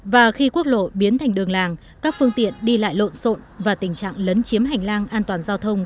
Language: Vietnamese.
và khi quốc lộ biến thành đường làng các phương tiện đi lại lộn xộn và tình trạng lấn chiếm hành lang an toàn giao thông